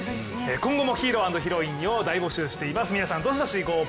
今後もヒーローヒロインを大募集しています。